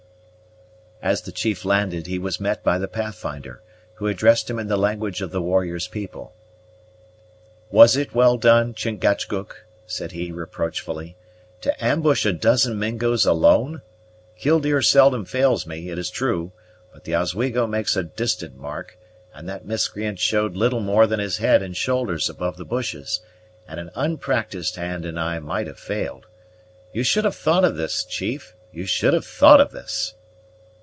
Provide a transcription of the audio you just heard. As the chief landed he was met by the Pathfinder, who addressed him in the language of the warrior's people: "Was it well done, Chingachgook," said he reproachfully, "to ambush a dozen Mingos alone? Killdeer seldom fails me, it is true; but the Oswego makes a distant mark, and that miscreant showed little more than his head and shoulders above the bushes, and an onpractysed hand and eye might have failed. You should have thought of this, chief you should have thought of this!"